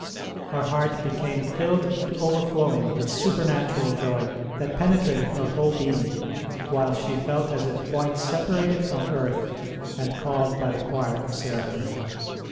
Her heart became filled to overflowing with super natural joy that penetrated her whole being, while she felt as if quite separated from earth and called by the Choir of Seraphim.